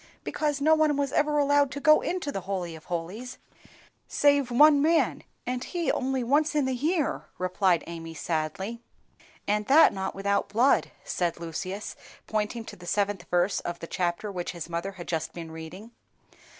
"Because no one was ever allowed to go into the Holy of holies save one man, and he only once in the year," replied Amy, sadly. "And that not without blood," said Lucius, pointing to the seventh verse of the chapter which his mother had just been reading.